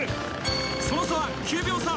その差は９秒差。